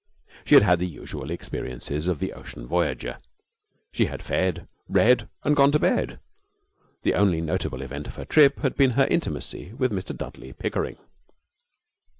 She had had the usual experiences of the ocean voyager. She had fed, read, and gone to bed. The only notable event in her trip had been her intimacy with Mr Dudley Pickering.